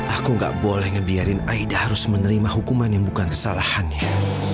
aku gak boleh ngebiarin aida harus menerima hukuman yang bukan kesalahannya